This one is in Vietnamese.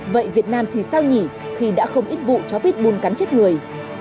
vậy việt nam thì sao nhỉ khi đã không ít vụ chó pitbull cắn chết người